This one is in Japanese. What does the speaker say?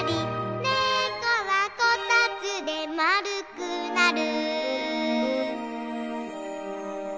「ねこはこたつでまるくなる」